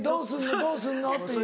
どうすんの？」っていう。